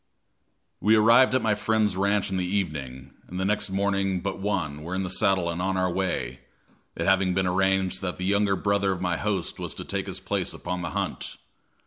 We arrived at my friend's ranch in the evening, and the next morning but one were in the saddle and on our way it having been arranged that the younger brother of my host was to take his place upon the hunt.